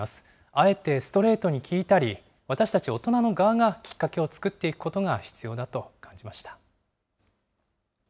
あえてストレートに聞いたり、私たち大人の側がきっかけを作っていくことが必要だと感じました。